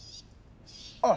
あ！